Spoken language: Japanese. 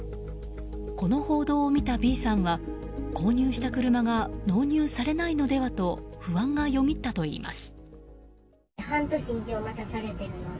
この報道を見たＢさんは購入した車が納入されないのではと不安がよぎったといいます。